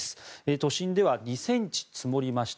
都心では２ｃｍ積もりました。